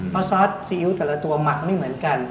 เพราะซอสซีอิ๊วแต่ละตัวหมักไม่เหมือนกัน